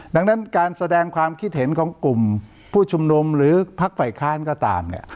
ดังนั้นการแสดงความคิดเห็นของกลุ่มผู้ชุมนุมหรือพักฝ่ายค้านก็ตาม